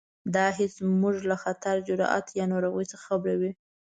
دا حس موږ له خطر، جراحت یا ناروغۍ څخه خبروي.